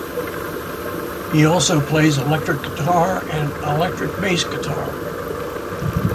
He also plays electric guitar and electric bass guitar.